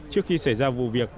trước khi xảy ra vụ việc